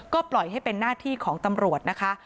ก็ปล่อยให้เป็นหน้าที่ของตำรวจนะคะ